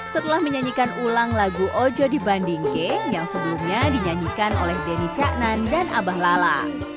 setelah menyanyikan ulang lagu ojo di bandingke yang sebelumnya dinyanyikan oleh denny caknan dan abah lala